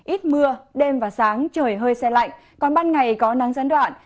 ít mưa đêm và sáng trời hơi xe lạnh còn ban ngày có nắng gián đoạn